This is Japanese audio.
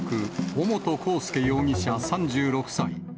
尾本幸祐容疑者３６歳。